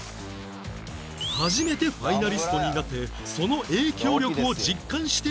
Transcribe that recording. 初めてファイナリストになってその影響力を実感している芸人も